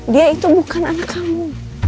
dia itu bukan anak kamu